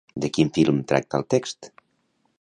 De quin film tracta el text?